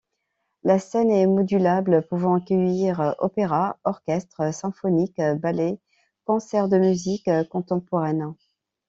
La scène est modulable, pouvant accueillir opéras, orchestres symphoniques, ballets, concerts de musiques contemporaines.